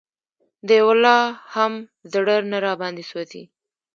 د یوه لا هم زړه نه راباندې سوزي